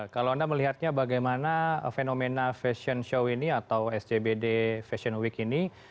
kalau anda melihatnya bagaimana fenomena fashion show ini atau scbd fashion week ini